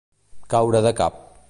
Caure de cap.